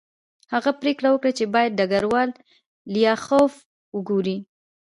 هغه پریکړه وکړه چې باید ډګروال لیاخوف وګوري